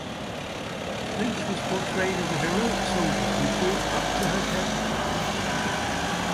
Lynch was portrayed as a heroic soldier who fought up to her capture.